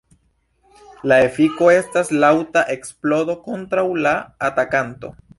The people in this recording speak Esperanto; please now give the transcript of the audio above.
La efiko estas laŭta eksplodo kontraŭ la atakanto.